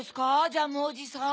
ジャムおじさん。